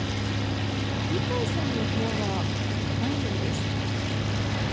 二階さんの部屋はないようです。